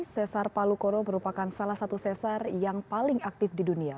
sesar palu koro merupakan salah satu sesar yang paling aktif di dunia